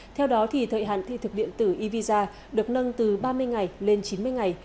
theo đó thời hạn thi thực điện tử e visa được nâng từ ba mươi ngày lên chín mươi ngày